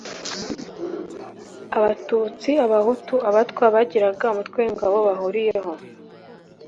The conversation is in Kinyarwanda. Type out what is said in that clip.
abatutsi, abahutu, abatwa bagiraga umutwe w'ingabo bahuriyeho